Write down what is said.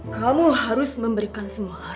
kamu harus memberikan semua yang kamu punya